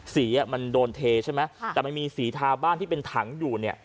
สีมันโดนเทใช่ไหมแต่มันมีสีทาบ้านที่เป็นถังอยู่เนี่ย